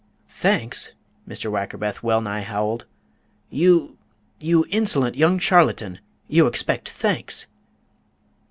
"Thanks?" Mr. Wackerbath well nigh howled. "You you insolent young charlatan; you expect thanks!"